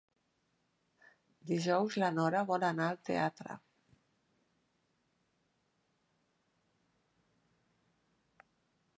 Dijous na Nora vol anar al teatre.